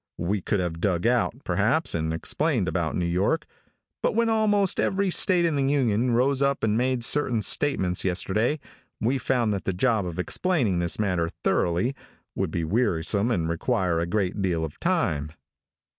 We could have dug out, perhaps, and explained about New York, but when almost every state in the Union rose up and made certain statements yesterday, we found that the job of explaining this matter thoroughly, would be wearisome and require a great deal of time.